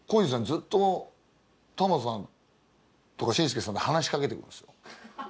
ずっとタモリさんとか紳助さんで話しかけてくるんですよ。